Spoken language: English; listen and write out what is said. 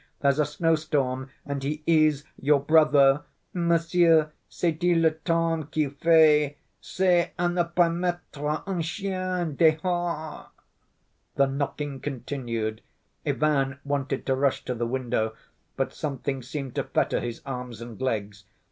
There's a snowstorm and he is your brother. Monsieur sait‐il le temps qu'il fait? C'est à ne pas mettre un chien dehors." The knocking continued. Ivan wanted to rush to the window, but something seemed to fetter his arms and legs.